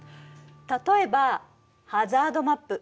例えばハザードマップ。